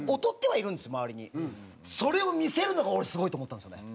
それを見せるのが俺すごいと思ったんですよね。